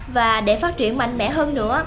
và để phát triển mạnh mẽ hơn nữa